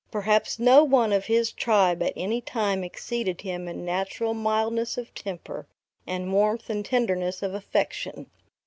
Perhaps no one of his tribe at any time exceeded him in natural mildness of temper, and warmth and tenderness of affection.